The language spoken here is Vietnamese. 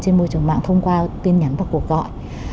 trên môi trường mạng thông qua tin nhắn và cuộc gọi